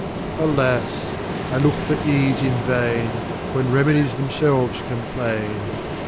Alas! I look for Ease in vain, When Remedies themselves complain.